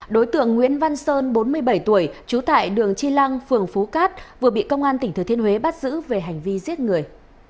đối tượng nguyễn văn sơn bốn mươi bảy tuổi trú tại đường chi lăng phường phú cát vừa bị công an tỉnh thừa thiên huế bắt giữ về hành vi giết người